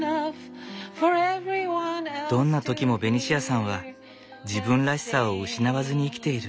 どんな時もベニシアさんは自分らしさを失わずに生きている。